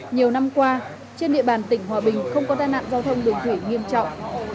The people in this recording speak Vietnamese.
nhiều năm qua trên địa bàn tỉnh hòa bình không có tai nạn giao thông đường thủy nghiêm trọng